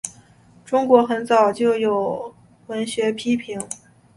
中国很早就有文学批评。